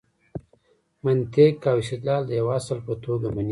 منطق او استدلال د یوه اصل په توګه مني.